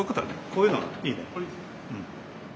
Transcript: こういうのはいいね。